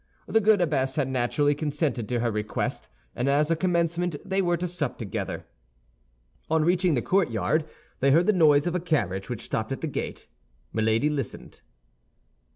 The good abbess had naturally consented to her request; and as a commencement, they were to sup together. On reaching the courtyard, they heard the noise of a carriage which stopped at the gate. Milady listened.